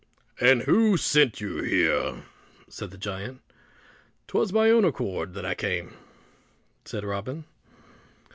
"And who sent you here?" said the giant. "'Twas of my own accord I came," said Robin.